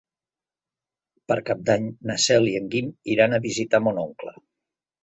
Per Cap d'Any na Cel i en Guim iran a visitar mon oncle.